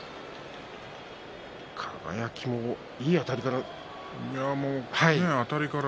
輝も、いいあたりから。